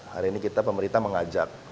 hari ini kita pemerintah mengajak